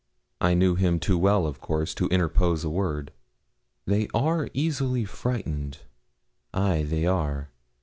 I knew him too well, of course, to interpose a word. 'They are easily frightened ay, they are.